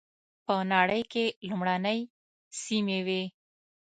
په نړۍ کې لومړنۍ سیمې وې.